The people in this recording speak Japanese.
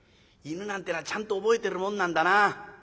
犬なんてのはちゃんと覚えてるもんなんだな。